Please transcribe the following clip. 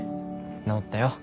直ったよ。